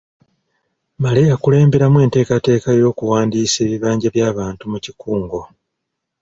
Male yakulemberamu enteekateeka y’okuwandiisa ebibanja by’abantu mu kikungo